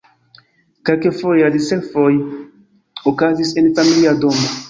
Kelkfoje la diservoj okazis en familia domo.